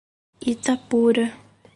Itapura